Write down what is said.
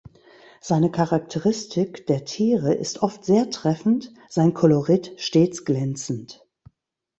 Seine Charakteristik der Tiere ist oft sehr treffend, sein Kolorit stets glänzend.